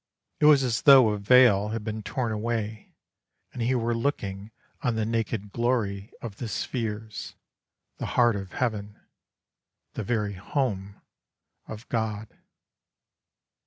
It was as though a veil had been torn away and he were looking on the naked glory of the spheres, the heart of Heaven, the very home of God.